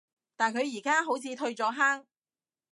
但佢而家好似退咗坑